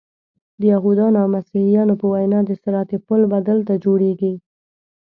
د یهودانو او مسیحیانو په وینا د صراط پل به دلته جوړیږي.